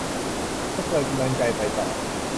จะเกิดกำลังใจไปต่อ